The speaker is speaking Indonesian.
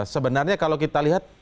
sebenarnya kalau kita lihat